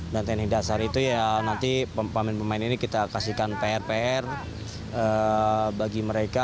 dan teknik dasar itu ya nanti pemain pemain ini kita kasihkan pr pr bagi mereka